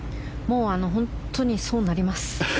本当にそうなります。